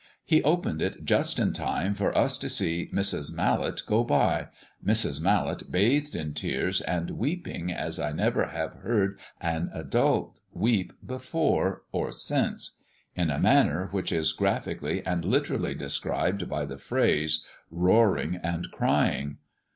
He opened it just in time for us to see Mrs. Mallet go by Mrs. Mallet bathed in tears and weeping as I never have heard an adult weep before or since in a manner which is graphically and literally described by the phrase "roaring and crying."